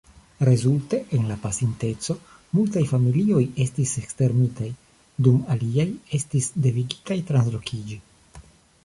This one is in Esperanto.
Rezulte, en la pasinteco, multaj familioj estis ekstermitaj, dum aliaj estis devigitaj translokiĝi.